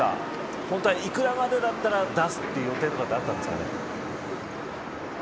本当は幾らまでだったら出すという予定があったんですか。